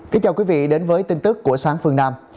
kính chào quý vị đến với tin tức của sáng phương nam